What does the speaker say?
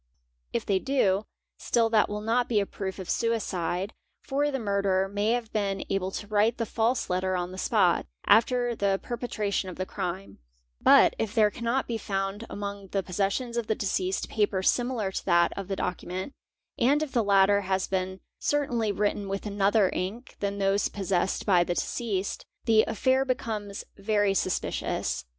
If they do, still that will not be a proof of suicide, for the _ murderer may have been able to write the false letter on the spot, after the perpetration of the crime; but if there cannot be found among the ' possessions of the deceased paper similar to that of the document, and if the latter has been certainly written with another ink than those posses sed by the deceased, the affair becomes very suspicious.